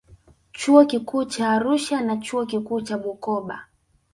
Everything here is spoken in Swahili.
Chuo Kikuu cha Arusha na Chuo Kikuu cha Bukoba